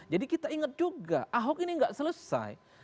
jadi kita ingat juga ahok ini gak selesai